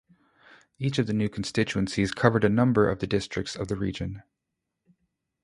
Each of the new constituencies covered a number of the districts of the region.